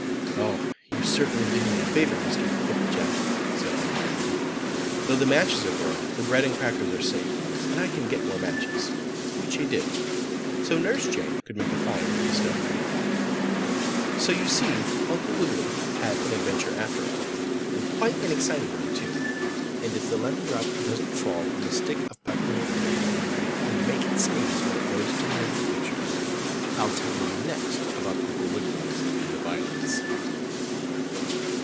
"Oh, you certainly did me a favor, Mr. Pulpit Jack," said Uncle Wiggily. "Though the matches are burned, the bread and crackers are saved, and I can get more matches." Which he did, so Nurse Jane could make a fire in the stove. So you see Uncle Wiggily had an adventure after all, and quite an exciting one, too, and if the lemon drop doesn't fall on the stick of peppermint candy and make it sneeze when it goes to the moving pictures, I'll tell you next about Uncle Wiggily and the violets.